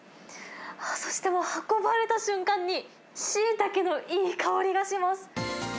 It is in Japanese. そしてもう、運ばれた瞬間に、シイタケのいい香りがします。